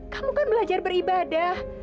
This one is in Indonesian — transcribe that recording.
kamu kan belajar beribadah